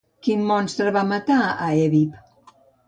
Quin monstre va matar a Evip?